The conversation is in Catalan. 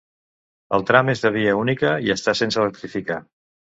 El tram és de via única i està sense electrificar.